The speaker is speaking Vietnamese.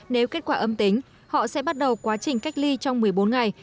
nếu kết quả âm tính họ sẽ bắt đầu quá trình cách ly trong một mươi bốn ngày